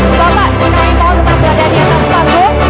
bapak bapak ingin saya mohon untuk berada di atas panggung